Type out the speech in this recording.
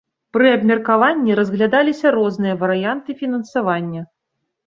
Пры абмеркаванні разглядаліся розныя варыянты фінансавання.